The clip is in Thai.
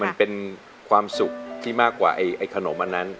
มันเป็นความสุขที่มากกว่าไอ้ขนมอันนั้น